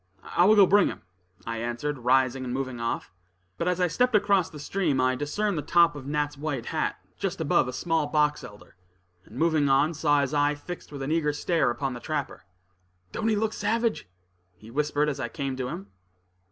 "I will go bring him," I answered, rising and moving off. But as I stepped across the stream, I discerned the top of Nat's white hat, just above a small box elder; and moving on, saw his eye fixed with an eager stare upon the trapper. "Don't he look savage?" he whispered, as I came to him.